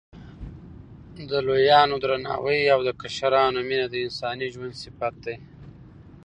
د لویانو درناوی او د کشرانو مینه د انساني ژوند صفت دی.